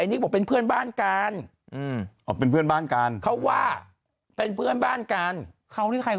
นี่เป็นอะไรเนี่ย